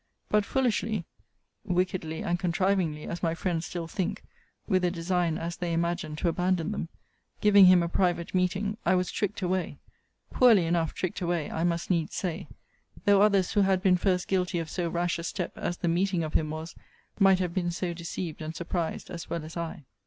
But foolishly (wickedly and contrivingly, as my friends still think, with a design, as they imagine, to abandon them) giving him a private meeting, I was tricked away; poorly enough tricked away, I must needs say; though others who had been first guilty of so rash a step as the meeting of him was, might have been so deceived and surprised as well as I.